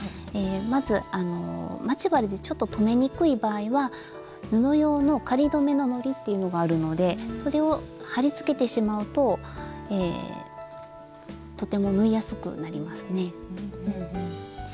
まず待ち針でちょっと留めにくい場合は布用の仮留めののりっていうのがあるのでそれを貼りつけてしまうととても縫いやすくなりますね。